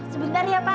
sebentar ya pak